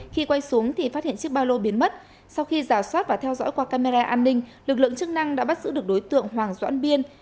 khi quay xuống thì phát hiện chiếc ba lô biến mất sau khi giả soát và theo dõi qua camera an ninh lực lượng chức năng đã bắt giữ được đối tượng hoàng doãn biên